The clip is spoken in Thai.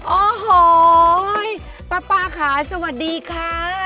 โอ้โหป๊าค่ะสวัสดีค่ะ